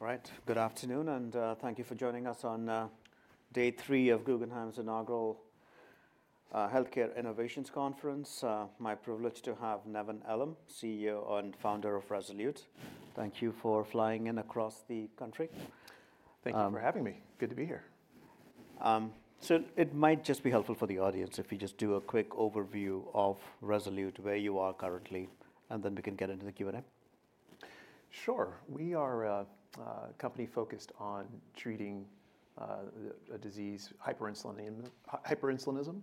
All right. Good afternoon, and thank you for joining us on day three of Guggenheim's inaugural Healthcare Innovations Conference. My privilege to have Nevan Elam, CEO and founder of Rezolute. Thank you for flying in across the country. Thank you for having me. Good to be here. So it might just be helpful for the audience if we just do a quick overview of Rezolute, where you are currently, and then we can get into the Q&A. Sure. We are a company focused on treating a disease, hyperinsulinism,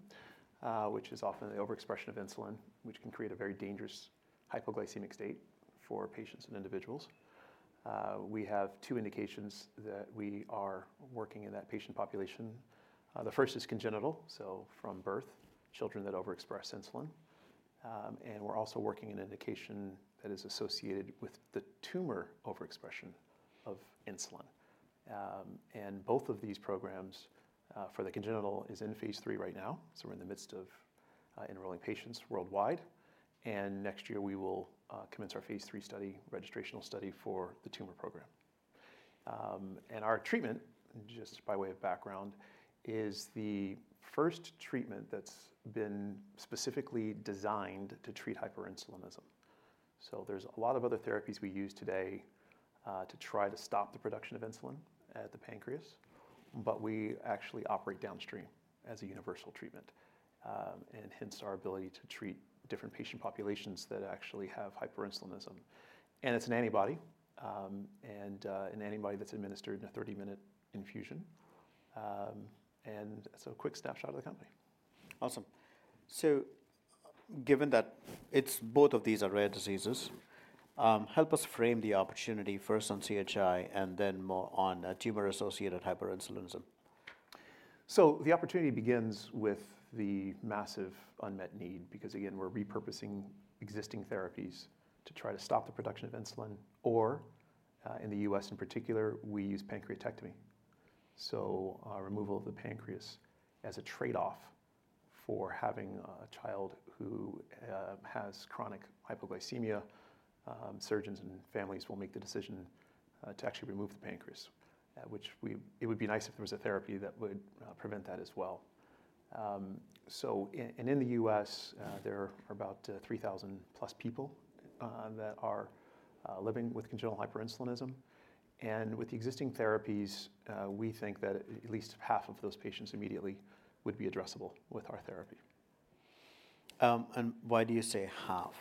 which is often the overexpression of insulin, which can create a very dangerous hypoglycemic state for patients and individuals. We have two indications that we are working in that patient population. The first is congenital, so from birth, children that overexpress insulin, and we're also working in an indication that is associated with the tumor overexpression of insulin, and both of these programs for the congenital are in phase three right now, so we're in the midst of enrolling patients worldwide, and next year, we will commence our phase three study, registrational study for the tumor program, and our treatment, just by way of background, is the first treatment that's been specifically designed to treat hyperinsulinism. So there's a lot of other therapies we use today to try to stop the production of insulin at the pancreas, but we actually operate downstream as a universal treatment, and hence our ability to treat different patient populations that actually have hyperinsulinism. And it's an antibody, and an antibody that's administered in a 30-minute infusion. And so a quick snapshot of the company. Awesome. So given that both of these are rare diseases, help us frame the opportunity first on CHI and then more on tumor-associated hyperinsulinism. So the opportunity begins with the massive unmet need because, again, we're repurposing existing therapies to try to stop the production of insulin. Or in the U.S. in particular, we use pancreatectomy, so removal of the pancreas as a trade-off for having a child who has chronic hypoglycemia. Surgeons and families will make the decision to actually remove the pancreas, which it would be nice if there was a therapy that would prevent that as well. And in the U.S., there are about 3,000-plus people that are living with congenital hyperinsulinism. And with the existing therapies, we think that at least half of those patients immediately would be addressable with our therapy. Why do you say half?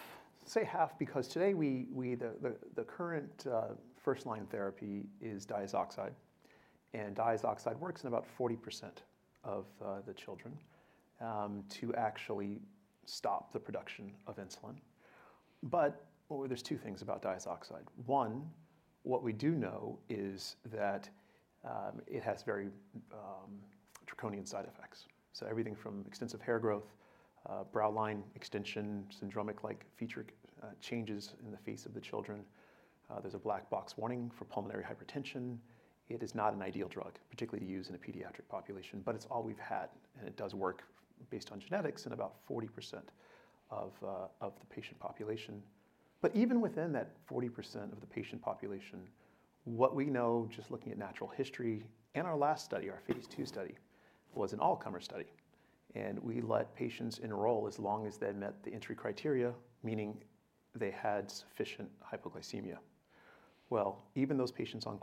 Say half because today, the current first-line therapy is diazoxide. And diazoxide works in about 40% of the children to actually stop the production of insulin. But there's two things about diazoxide. One, what we do know is that it has very draconian side effects. So everything from extensive hair growth, brow line extension, syndromic-like feature changes in the face of the children. There's a black box warning for pulmonary hypertension. It is not an ideal drug, particularly to use in a pediatric population. But it's all we've had. And it does work based on genetics in about 40% of the patient population. But even within that 40% of the patient population, what we know, just looking at natural history and our last study, our phase 2 study, was an all-comer study. And we let patients enroll as long as they met the entry criteria, meaning they had sufficient hypoglycemia. Even those patients on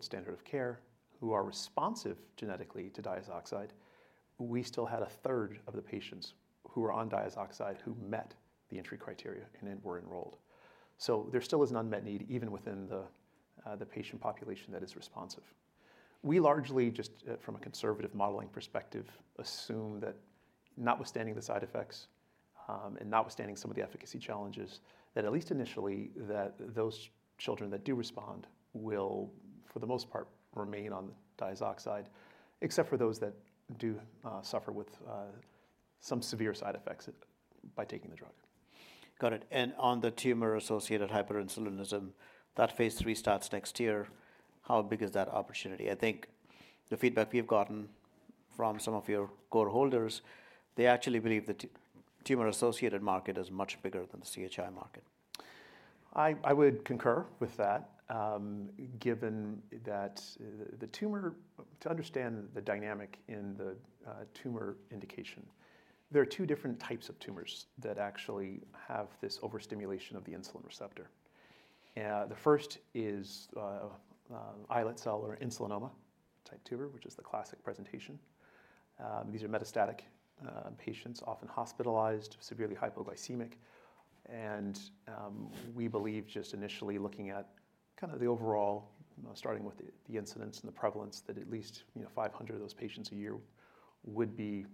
"standard of care" who are responsive genetically to diazoxide, we still had a third of the patients who were on diazoxide who met the entry criteria and were enrolled. There still is an unmet need even within the patient population that is responsive. We largely, just from a conservative modeling perspective, assume that notwithstanding the side effects and notwithstanding some of the efficacy challenges, that at least initially, those children that do respond will, for the most part, remain on diazoxide, except for those that do suffer with some severe side effects by taking the drug. Got it. And on the tumor-associated hyperinsulinism, that phase 3 starts next year. How big is that opportunity? I think the feedback we've gotten from some of your core holders, they actually believe the tumor-associated market is much bigger than the CHI market. I would concur with that, given that, to understand the dynamic in the tumor indication, there are two different types of tumors that actually have this overstimulation of the insulin receptor. The first is islet cell or insulinoma-type tumor, which is the classic presentation. These are metastatic patients, often hospitalized, severely hypoglycemic. And we believe, just initially looking at kind of the overall, starting with the incidence and the prevalence, that at least 500 of those patients a year would be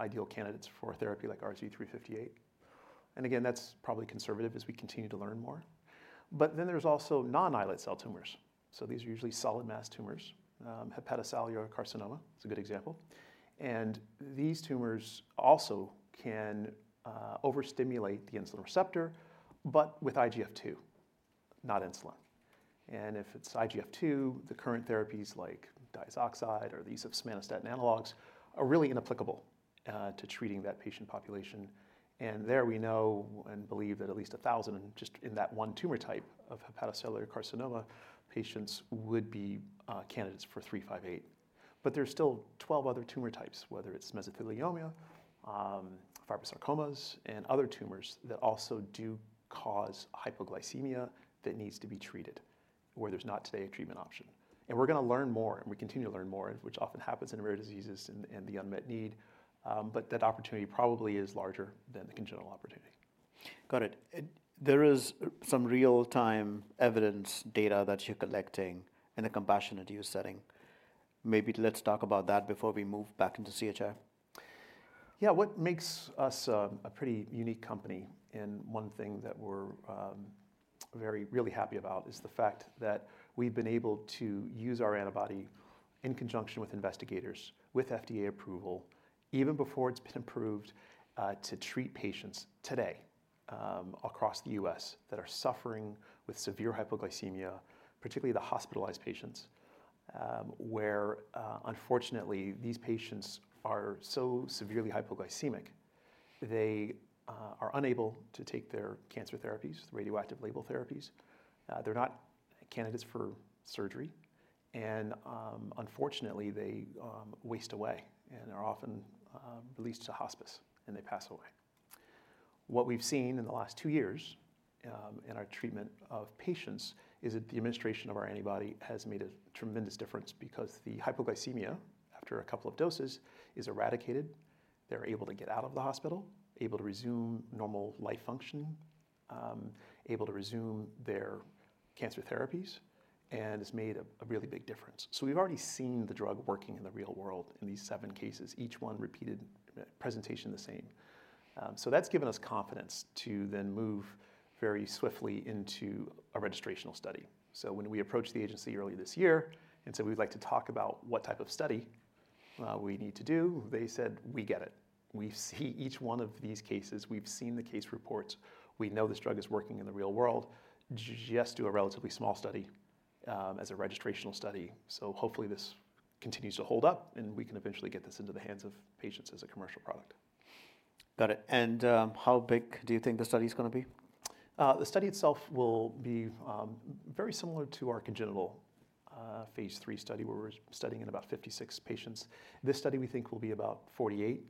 ideal candidates for a therapy like RZ358. And again, that's probably conservative as we continue to learn more. But then there's also non-islet cell tumors. So these are usually solid mass tumors. Hepatocellular carcinoma is a good example. And these tumors also can overstimulate the insulin receptor, but with IGF-2, not insulin. If it's IGF-2, the current therapies like diazoxide or the use of somatostatin analogs are really inapplicable to treating that patient population. There we know and believe that at least 1,000, just in that one tumor type of hepatocellular carcinoma, patients would be candidates for RZ358. But there are still 12 other tumor types, whether it's mesothelioma, fibrosarcomas, and other tumors that also do cause hypoglycemia that needs to be treated, where there's not today a treatment option. We're going to learn more, and we continue to learn more, which often happens in rare diseases and the unmet need. That opportunity probably is larger than the congenital opportunity. Got it. There is some real-time evidence data that you're collecting in a compassionate use setting. Maybe let's talk about that before we move back into CHI. Yeah. What makes us a pretty unique company, and one thing that we're very really happy about, is the fact that we've been able to use our antibody in conjunction with investigators, with FDA approval, even before it's been approved, to treat patients today across the U.S. that are suffering with severe hypoglycemia, particularly the hospitalized patients, where unfortunately, these patients are so severely hypoglycemic, they are unable to take their cancer therapies, the radioactive label therapies. They're not candidates for surgery. And unfortunately, they waste away and are often released to hospice, and they pass away. What we've seen in the last two years in our treatment of patients is that the administration of our antibody has made a tremendous difference because the hypoglycemia, after a couple of doses, is eradicated. They're able to get out of the hospital, able to resume normal life function, able to resume their cancer therapies, and has made a really big difference. So we've already seen the drug working in the real world in these seven cases, each one repeated presentation the same. So that's given us confidence to then move very swiftly into a registrational study. So when we approached the agency early this year and said, "We'd like to talk about what type of study we need to do," they said, "We get it. We see each one of these cases. We've seen the case reports. We know this drug is working in the real world. Just do a relatively small study as a registrational study." So hopefully, this continues to hold up, and we can eventually get this into the hands of patients as a commercial product. Got it. And how big do you think the study is going to be? The study itself will be very similar to our congenital phase 3 study where we're studying in about 56 patients. This study, we think, will be about 48.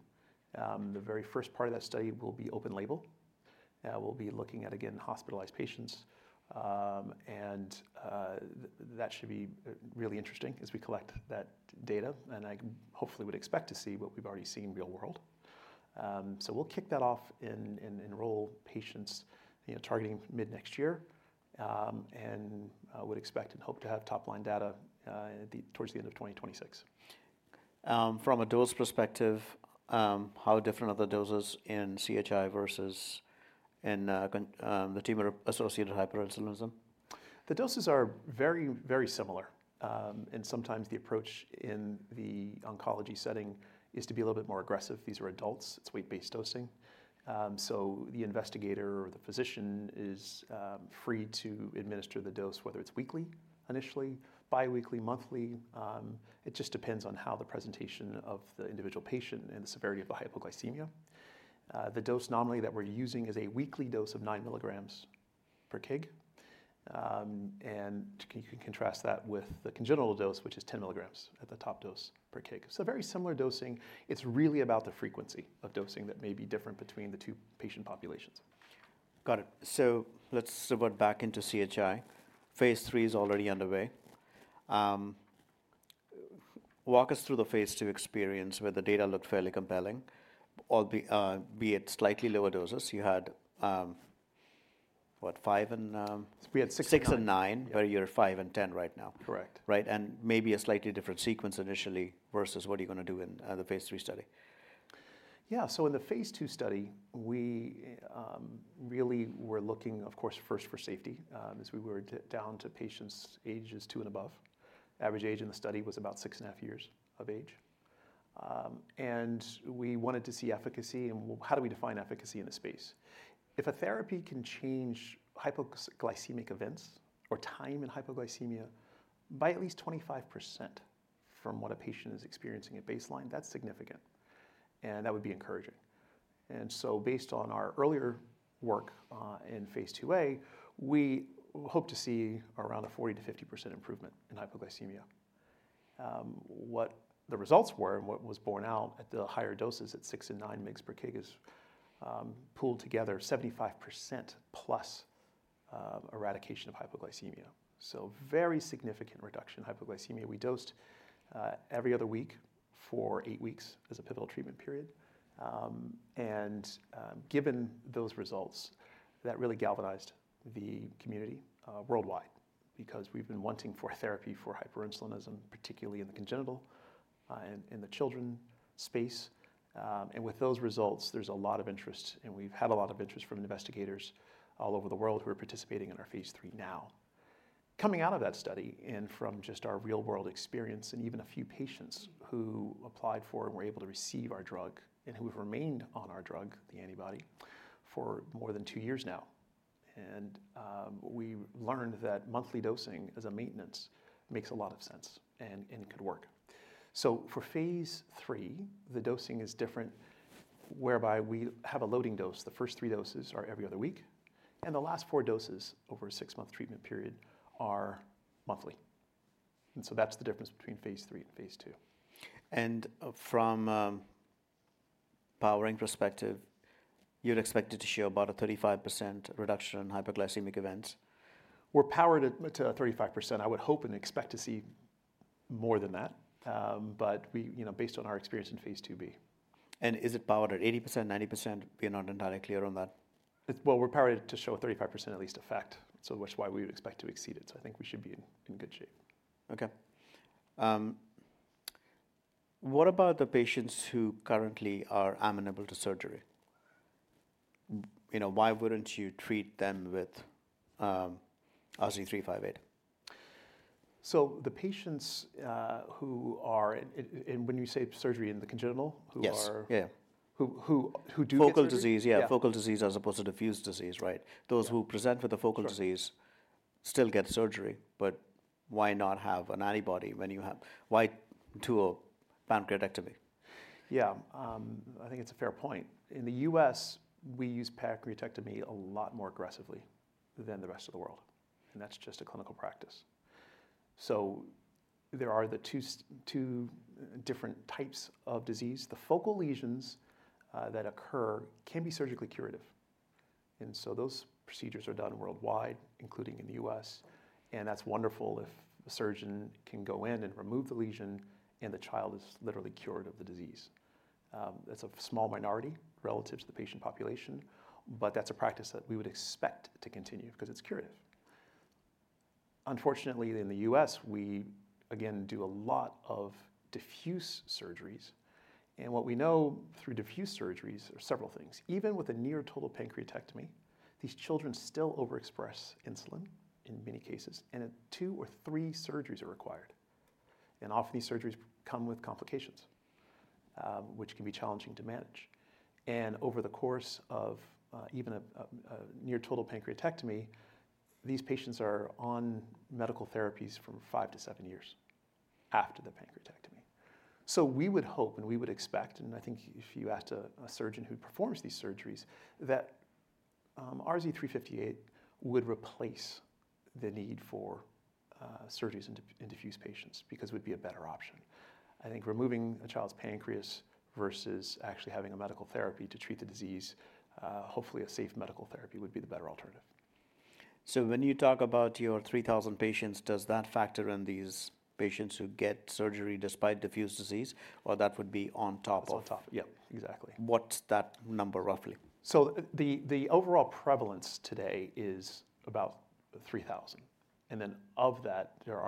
The very first part of that study will be open label. We'll be looking at, again, hospitalized patients. That should be really interesting as we collect that data. I hopefully would expect to see what we've already seen in real world. We'll kick that off and enroll patients targeting mid-next year. I would expect and hope to have top-line data towards the end of 2026. From a dose perspective, how different are the doses in CHI versus in the tumor-associated hyperinsulinism? The doses are very, very similar. Sometimes the approach in the oncology setting is to be a little bit more aggressive. These are adults. It's weight-based dosing. So the investigator or the physician is free to administer the dose, whether it's weekly initially, biweekly, monthly. It just depends on how the presentation of the individual patient and the severity of the hypoglycemia. The nominal dose that we're using is a weekly dose of nine milligrams per kg. And you can contrast that with the congenital dose, which is 10 milligrams at the top dose per kg. So very similar dosing. It's really about the frequency of dosing that may be different between the two patient populations. Got it. So let's go back into CHI. Phase three is already underway. Walk us through the phase two experience where the data looked fairly compelling, be it slightly lower doses. You had, what, five and. We had six and nine. Six and nine, where you're five and 10 right now. Correct. Right? And maybe a slightly different sequence initially versus what you're going to do in the phase 3 study? Yeah. So in the Phase 2 study, we really were looking, of course, first for safety as we were down to patients ages two and above. Average age in the study was about six and a half years of age. And we wanted to see efficacy. And how do we define efficacy in this space? If a therapy can change hypoglycemic events or time in hypoglycemia by at least 25% from what a patient is experiencing at baseline, that's significant. And that would be encouraging. And so based on our earlier work in Phase 2a, we hope to see around a 40%-50% improvement in hypoglycemia. What the results were and what was borne out at the higher doses at six and nine mg per kg is pulled together 75% plus eradication of hypoglycemia. So very significant reduction in hypoglycemia. We dosed every other week for eight weeks as a pivotal treatment period. And given those results, that really galvanized the community worldwide because we've been waiting for therapy for hyperinsulinism, particularly in the congenital and in the children space. And with those results, there's a lot of interest. And we've had a lot of interest from investigators all over the world who are participating in our Phase 3 now. Coming out of that study and from just our real-world experience and even a few patients who applied for and were able to receive our drug and who have remained on our drug, the antibody, for more than two years now. And we learned that monthly dosing as a maintenance makes a lot of sense and could work. So for Phase 3, the dosing is different, whereby we have a loading dose. The first three doses are every other week. The last four doses over a six-month treatment period are monthly. So that's the difference between Phase 3 and Phase 2. From a payer perspective, you're expected to show about a 35% reduction in hypoglycemic events. We're powered to 35%. I would hope and expect to see more than that, based on our experience in Phase 2b. Is it powered at 80%, 90%? We're not entirely clear on that. We're powered to show a 35% at least effect, which is why we would expect to exceed it. I think we should be in good shape. Okay. What about the patients who currently are amenable to surgery? Why wouldn't you treat them with RZ358? So the patients who are, and when you say surgery in the congenital, who are? Yes. Yeah. Who do. Focal disease, yeah, focal disease as opposed to diffuse disease, right? Those who present with a focal disease still get surgery. But why not have an antibody when you have why do a pancreatectomy? Yeah. I think it's a fair point. In the U.S., we use pancreatectomy a lot more aggressively than the rest of the world, and that's just a clinical practice, so there are the two different types of disease. The focal lesions that occur can be surgically curative, and so those procedures are done worldwide, including in the U.S., and that's wonderful if a surgeon can go in and remove the lesion, and the child is literally cured of the disease. That's a small minority relative to the patient population, but that's a practice that we would expect to continue because it's curative. Unfortunately, in the U.S., we, again, do a lot of diffuse surgeries, and what we know through diffuse surgeries are several things. Even with a near total pancreatectomy, these children still overexpress insulin in many cases, and two or three surgeries are required. And often, these surgeries come with complications, which can be challenging to manage. And over the course of even a near total pancreatectomy, these patients are on medical therapies for five to seven years after the pancreatectomy. So we would hope and we would expect, and I think if you asked a surgeon who performs these surgeries, that RZ358 would replace the need for surgeries in diffuse patients because it would be a better option. I think removing a child's pancreas versus actually having a medical therapy to treat the disease, hopefully, a safe medical therapy would be the better alternative. So when you talk about your 3,000 patients, does that factor in these patients who get surgery despite diffuse disease, or that would be on top of? That's on top. Yeah, exactly. What's that number roughly? The overall prevalence today is about 3,000. And then of that, there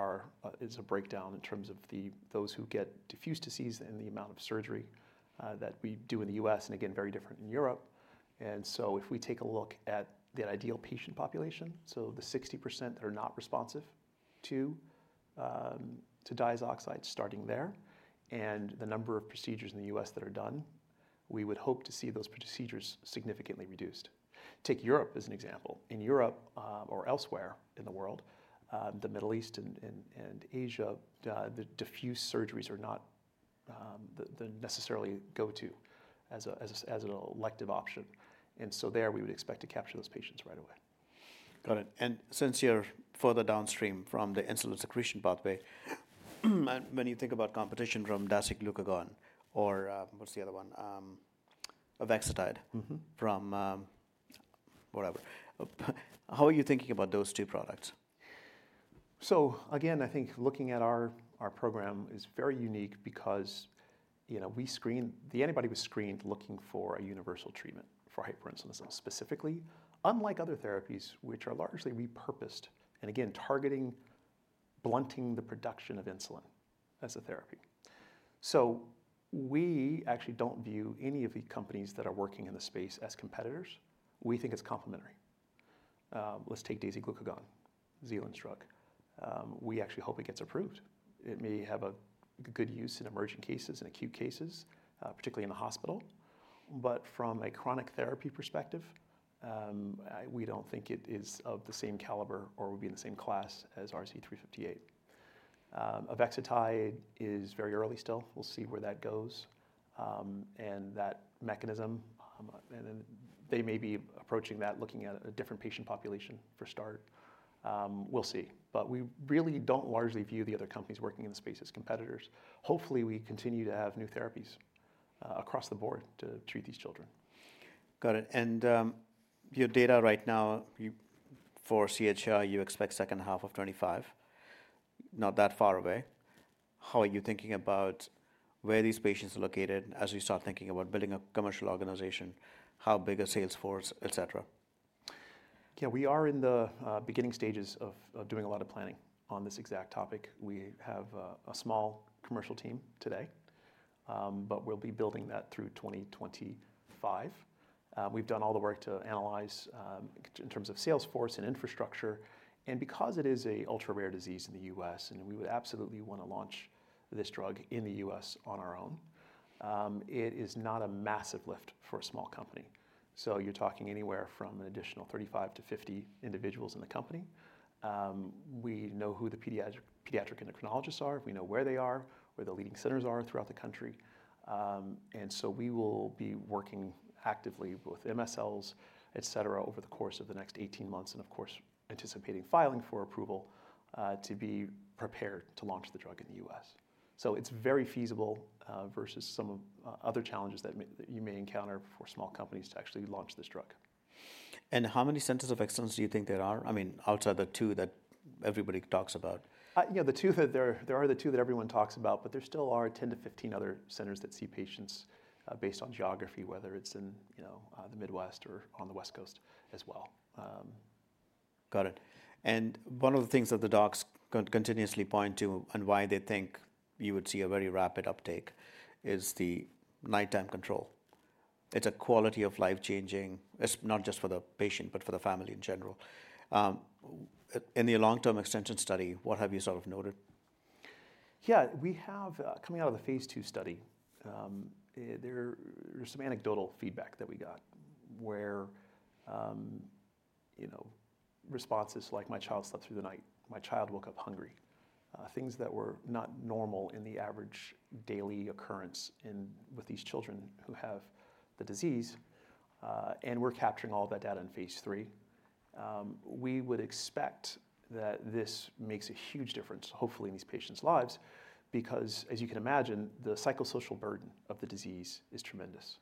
is a breakdown in terms of those who get diffuse disease and the amount of surgery that we do in the U.S. and, again, very different in Europe. And so if we take a look at the ideal patient population, so the 60% that are not responsive to diazoxide starting there and the number of procedures in the U.S. that are done, we would hope to see those procedures significantly reduced. Take Europe as an example. In Europe or elsewhere in the world, the Middle East and Asia, the diffuse surgeries are not necessarily go-to as an elective option. And so there, we would expect to capture those patients right away. Got it. And since you're further downstream from the insulin secretion pathway, when you think about competition from dasiglucagon or what's the other one, avexitide from whatever, how are you thinking about those two products? So again, I think looking at our program is very unique because the antibody was screened looking for a universal treatment for hyperinsulinism specifically, unlike other therapies which are largely repurposed and, again, targeting, blunting the production of insulin as a therapy. We actually don't view any of the companies that are working in the space as competitors. We think it's complementary. Let's take dasiglucagon, Zealand's drug. We actually hope it gets approved. It may have a good use in emerging cases and acute cases, particularly in the hospital. But from a chronic therapy perspective, we don't think it is of the same caliber or would be in the same class as RZ358. Avexitide is very early still. We'll see where that goes. And that mechanism, they may be approaching that looking at a different patient population for start. We'll see. But we really don't largely view the other companies working in the space as competitors. Hopefully, we continue to have new therapies across the board to treat these children. Got it. And your data right now for CHI, you expect second half of 2025, not that far away. How are you thinking about where these patients are located as we start thinking about building a commercial organization, how big a sales force, et cetera? Yeah. We are in the beginning stages of doing a lot of planning on this exact topic. We have a small commercial team today, but we'll be building that through 2025. We've done all the work to analyze in terms of sales force and infrastructure, and because it is an ultra-rare disease in the U.S. and we would absolutely want to launch this drug in the U.S. on our own, it is not a massive lift for a small company, so you're talking anywhere from an additional 35-50 individuals in the company. We know who the pediatric endocrinologists are. We know where they are, where the leading centers are throughout the country, and so we will be working actively with MSLs, et cetera, over the course of the next 18 months and, of course, anticipating filing for approval to be prepared to launch the drug in the U.S. So it's very feasible versus some other challenges that you may encounter for small companies to actually launch this drug. How many centers of excellence do you think there are, I mean, outside the two that everybody talks about? You know, there are the two that everyone talks about. But there still are 10 to 15 other centers that see patients based on geography, whether it's in the Midwest or on the West Coast as well. Got it. And one of the things that the docs continuously point to and why they think you would see a very rapid uptake is the nighttime control. It's a quality of life changing, not just for the patient, but for the family in general. In the long-term extension study, what have you sort of noted? Yeah. Coming out of the phase two study, there's some anecdotal feedback that we got where responses like, "My child slept through the night. My child woke up hungry," things that were not normal in the average daily occurrence with these children who have the disease. And we're capturing all that data in phase three. We would expect that this makes a huge difference, hopefully, in these patients' lives because, as you can imagine, the psychosocial burden of the disease is tremendous.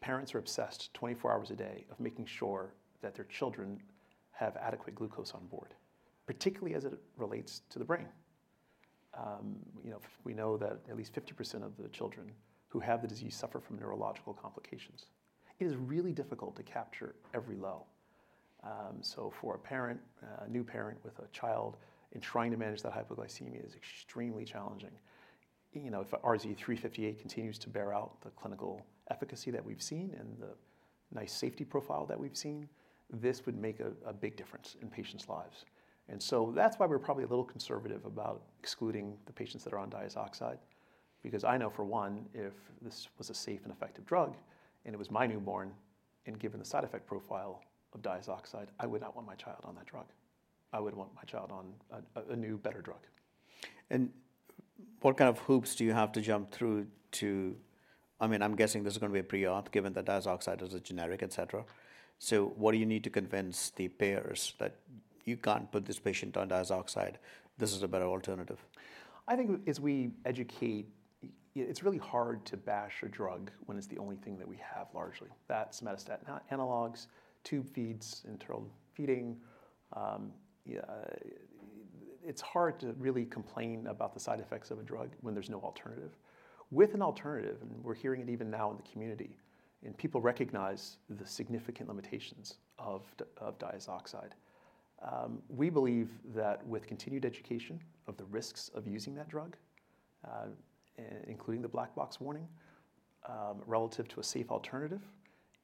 Parents are obsessed 24 hours a day of making sure that their children have adequate glucose on board, particularly as it relates to the brain. We know that at least 50% of the children who have the disease suffer from neurological complications. It is really difficult to capture every low. So for a new parent with a child, trying to manage that hypoglycemia is extremely challenging. If RZ358 continues to bear out the clinical efficacy that we've seen and the nice safety profile that we've seen, this would make a big difference in patients' lives. And so that's why we're probably a little conservative about excluding the patients that are on diazoxide because I know, for one, if this was a safe and effective drug and it was my newborn and given the side effect profile of diazoxide, I would not want my child on that drug. I would want my child on a new, better drug. What kind of hoops do you have to jump through to, I mean, I'm guessing this is going to be a pre-auth given that diazoxide is a generic, et cetera. What do you need to convince the payers that you can't put this patient on diazoxide? This is a better alternative. I think as we educate, it's really hard to bash a drug when it's the only thing that we have largely. That's somatostatin analogs, tube feeds, enteral feeding. It's hard to really complain about the side effects of a drug when there's no alternative. With an alternative, and we're hearing it even now in the community, and people recognize the significant limitations of diazoxide, we believe that with continued education of the risks of using that drug, including the black box warning relative to a safe alternative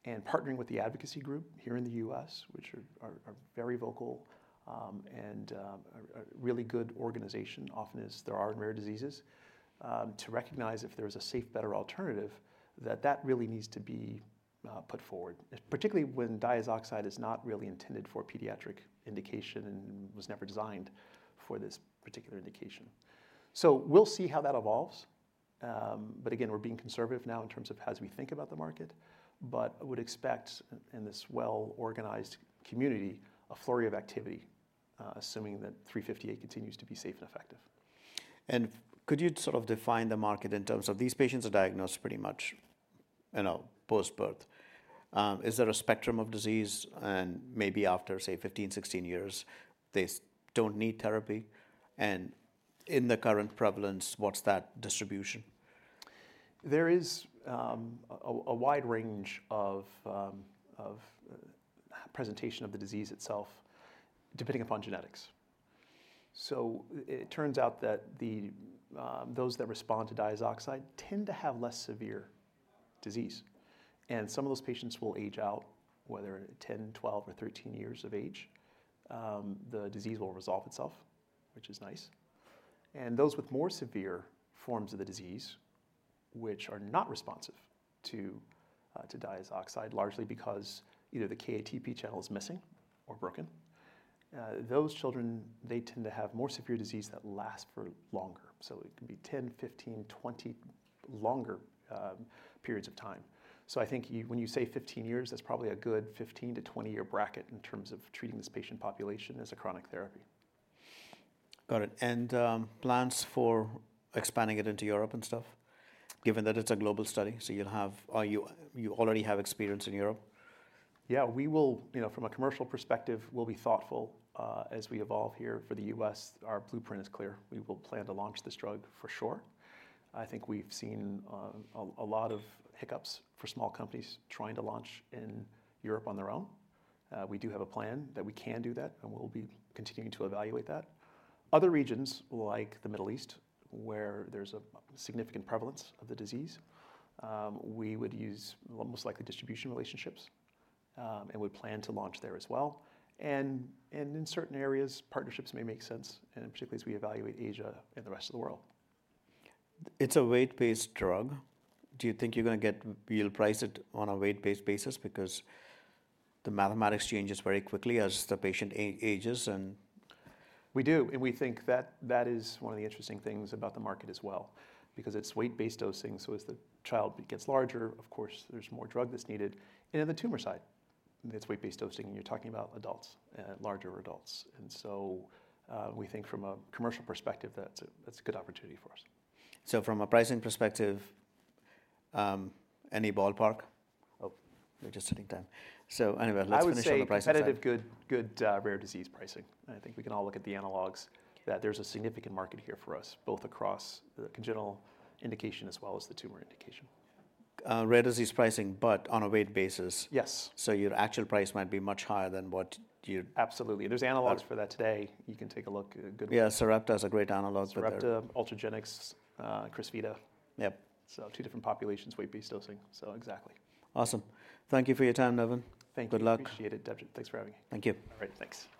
and partnering with the advocacy group here in the U.S., which are very vocal and a really good organization, often as there are in rare diseases, to recognize if there is a safe, better alternative, that that really needs to be put forward, particularly when diazoxide is not really intended for pediatric indication and was never designed for this particular indication. So we'll see how that evolves. But again, we're being conservative now in terms of how we think about the market. But I would expect in this well-organized community a flurry of activity, assuming that RZ358 continues to be safe and effective. Could you sort of define the market in terms of these patients are diagnosed pretty much post-birth? Is there a spectrum of disease? Maybe after, say, 15-16 years, they don't need therapy. In the current prevalence, what's that distribution? There is a wide range of presentation of the disease itself depending upon genetics. So it turns out that those that respond to diazoxide tend to have less severe disease. And some of those patients will age out, whether 10, 12, or 13 years of age. The disease will resolve itself, which is nice. And those with more severe forms of the disease, which are not responsive to diazoxide, largely because either the KATP channel is missing or broken, those children, they tend to have more severe disease that lasts for longer. So it can be 10, 15, 20 longer periods of time. So I think when you say 15 years, that's probably a good 15-20-year bracket in terms of treating this patient population as a chronic therapy. Got it. And plans for expanding it into Europe and stuff, given that it's a global study? So you already have experience in Europe. Yeah. From a commercial perspective, we'll be thoughtful as we evolve here. For the U.S., our blueprint is clear. We will plan to launch this drug for sure. I think we've seen a lot of hiccups for small companies trying to launch in Europe on their own. We do have a plan that we can do that, and we'll be continuing to evaluate that. Other regions, like the Middle East, where there's a significant prevalence of the disease, we would use most likely distribution relationships and would plan to launch there as well, and in certain areas, partnerships may make sense, and particularly as we evaluate Asia and the rest of the world. It's a weight-based drug. Do you think you're going to get you'll price it on a weight-based basis because the mathematics changes very quickly as the patient ages and? We do, and we think that that is one of the interesting things about the market as well because it's weight-based dosing, so as the child gets larger, of course, there's more drug that's needed, and in the tumor side, it's weight-based dosing, and you're talking about adults, larger adults, and so we think from a commercial perspective, that's a good opportunity for us. From a pricing perspective, any ballpark? Oh, we're just sitting down. So anyway, let's finish on the pricing. I would say competitive, good, rare disease pricing, and I think we can all look at the analogs that there's a significant market here for us, both across the congenital indication as well as the tumor indication. Rare disease pricing, but on a weight basis. Yes. So your actual price might be much higher than what you. Absolutely. There's analogs for that today. You can take a look. Yeah. Sarepta is a great analog for that. Sarepta, Ultragenyx, Crysvita. So two different populations, weight-based dosing. So exactly. Awesome. Thank you for your time, Nevan. Thank you. Good luck. Appreciate it. Thanks for having me. Thank you. All right. Thanks.